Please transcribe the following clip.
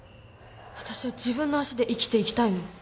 私は自分の足で生きていきたいの。